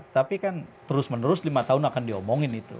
tapi kan terus menerus lima tahun akan diomongin itu